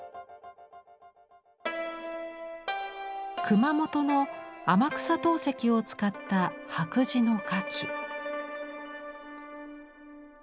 熊本の天草陶石を使った白磁の花器。